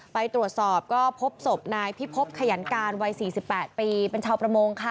ไปตรวจสอบก็พบศพนายพิพบขยันการวัย๔๘ปีเป็นชาวประมงค่ะ